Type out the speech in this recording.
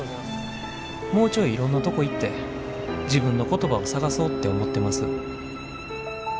もうちょいいろんなとこ行って自分の言葉を探そうって思ってます」。